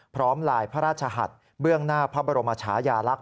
ลายพระราชหัสเบื้องหน้าพระบรมชายาลักษ